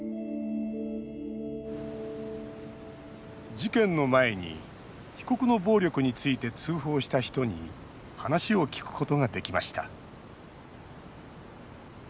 事件の前に被告の暴力について通報した人に話を聞くことができました。